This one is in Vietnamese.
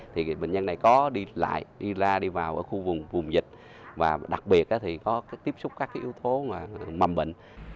thì bệnh nhân này có đi lại đi ra đi vào ở khu vùng dịch và đặc biệt thì có tiếp xúc các yếu tố mầm bệnh